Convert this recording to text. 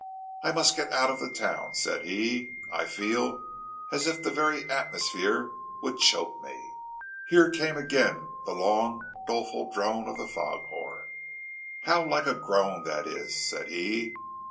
"I must get out of the town," said he. "I feel as if the very atmosphere here would choke me." Here came again the long, doleful drone of the foghorn. "How like a groan that is," said he.